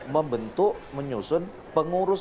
membentuk menyusun pengurus